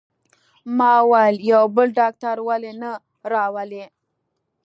ما وویل: یو بل ډاکټر ولې نه راولئ؟